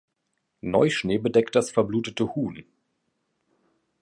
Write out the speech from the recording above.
Neuschnee bedeckt das verblutete Huhn.